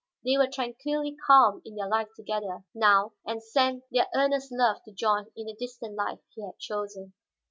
They were tranquilly calm in their life together, now, and sent their earnest love to John in the distant life he had chosen.